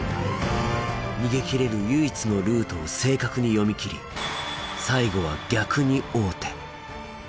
逃げきれる唯一のルートを正確に読み切り最後は逆に王手。